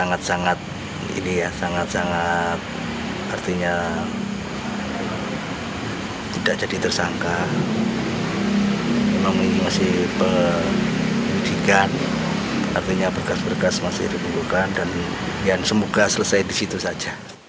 artinya berkas berkas masih ditundukkan dan semoga selesai di situ saja